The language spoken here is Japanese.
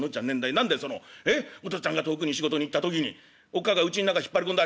何だいそのお父っつぁんが遠くに仕事に行った時におっ母がうちん中引っ張り込んだ